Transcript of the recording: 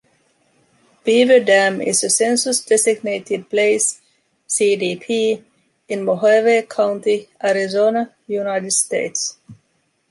Beaver Dam is a census-designated place (CDP) in Mohave County, Arizona, United States.